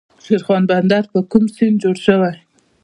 شیرخان بندر په کوم سیند جوړ شوی؟